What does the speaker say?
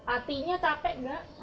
atinya capek nggak